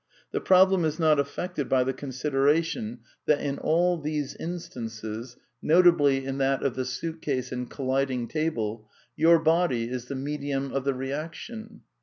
The problem is not affected by the consideration that in all 222 A DEFENCE OF IDEALISM these instances (notably in that of the suit case and collid ing table) your body is the medium of the reaction.